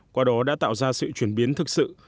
qua đó đã tạo ra sự chuyển biến thực sự